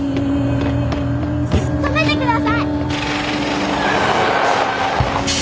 止めてください。